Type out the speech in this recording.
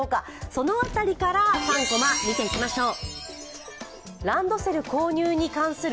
その辺りから３コマ見ていきましょう。